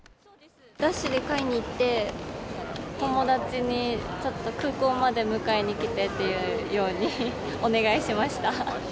ダッシュで買いに行って、友達にちょっと空港まで迎えに来てっていうようにお願いしました。